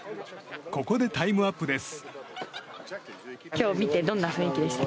ここでタイムアップです。